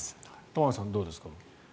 玉川さん、どうですか？